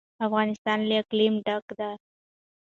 افغانستان له اقلیم ډک دی.